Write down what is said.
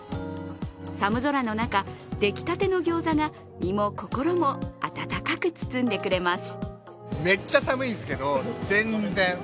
寒空の中、出来たてのギョーザが身も心も温かく包んでくれます。